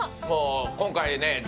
もう今回ね